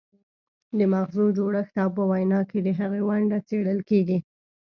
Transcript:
د مغزو جوړښت او په وینا کې د هغې ونډه څیړل کیږي